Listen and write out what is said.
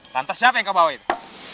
lantas siapa yang kebawa itu